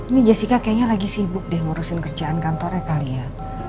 ini jessica kayaknya lagi sibuk deh ngurusin kerjaan kantornya kali ya